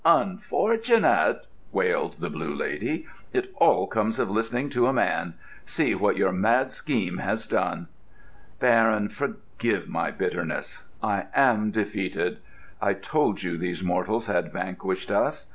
"Unfortunate!" wailed the Blue Lady. "It all comes of listening to a man. See what your mad scheme has done!... Baron, forgive my bitterness,—I am defeated. I told you these mortals had vanquished us.